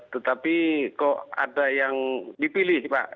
tetapi kok ada yang dipilih pak